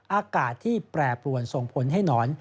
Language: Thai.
อากาศที่แปรปรวนส่งผลให้หนอน